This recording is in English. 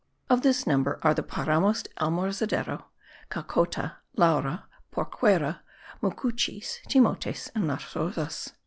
Of this number are the Paramos del Almorzadero, Cacota, Laura, Porquera, Mucuchies, Timotes, and Las Rosas.